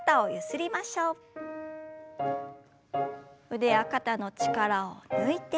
腕や肩の力を抜いて。